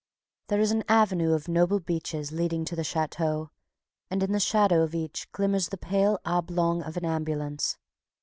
There is an avenue of noble beeches leading to the Chateau, and in the shadow of each glimmers the pale oblong of an ambulance.